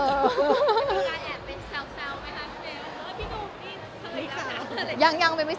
มีใครแอบไปแซวไหมคะ